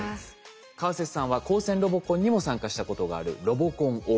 川節さんは高専ロボコンにも参加したことがあるロボコンＯＢ。